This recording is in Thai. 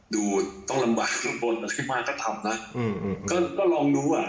ดูต้องลำบากข้างบนอะไรมาก็ทำนะก็ลองดูอ่ะ